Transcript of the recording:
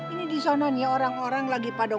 ini disana nih orang orang lagi pada